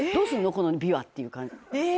このびわっていう。